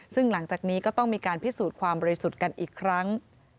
ซึ่งหลังจากนี้ก็ต้องมีการพิสูจน์ความบริสุทธิ์กันอีกครั้ง